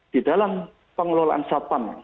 di dalam pengelolaan satpam